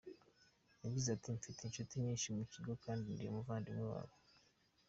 Yagize ati “Mfite incuti nyinshi mu kigo kandi ndi umuvandimwe wabo.